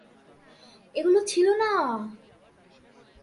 এগুলো ছিল না!